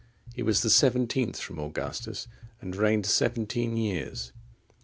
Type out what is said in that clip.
(43) He was the seventeenth from Augustus, and reigned seventeen years.